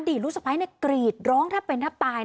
อดีตลูกสะไภกรีดกล้องถ้าเป็นท่าตาย